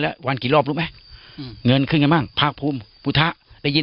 แล้ววันกี่รอบรู้ไหมอืมเงินขึ้นกันบ้างภาคภูมิพุทธะได้ยิน